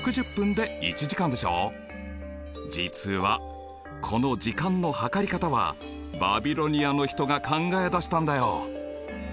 実はこの時間の計り方はバビロニアの人が考え出したんだよ。